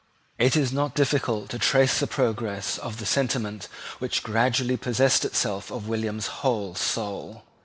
It is not difficult to trace the progress of the sentiment which gradually possessed itself of William's whole soul.